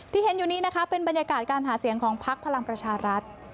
ที่เห็นอยู่นี้นะคะเป็นบรรยากาศการหาเสียงของพักพลังประชารัฐ